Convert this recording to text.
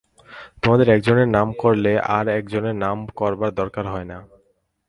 তোমাদের একজনের নাম করলে আর-একজনের নাম করবার দরকার হয় না।